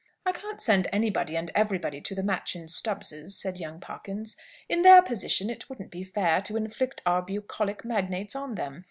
"I can't send anybody and everybody to the Machyn Stubbses," said young Pawkins. "In their position, it wouldn't be fair to inflict our bucolic magnates on them.